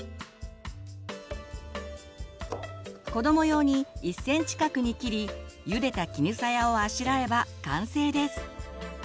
子ども用に１センチ角に切りゆでた絹さやをあしらえば完成です。